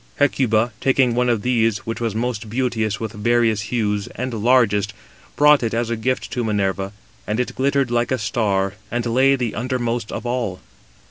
Hecuba, taking one of these which was most beauteous with various hues, and largest, brought it as a gift to Minerva; and it glittered like a star, and lay the undermost of all.